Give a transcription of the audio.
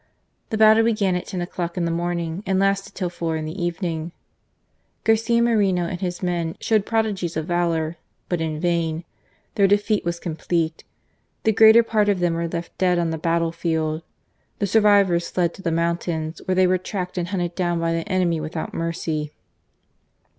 The battle began at ten o'clock in the morning and lasted till four in the evening. Garcia Moreno and his men showed prodigies of valour, but in vain ; their THE NATIONAL RISING. 77 defeat was complete. The greater part of them were left dead on the battlefield. The survivors fled to the mountains, where they were tracked and hunted down by the enemy without mercy.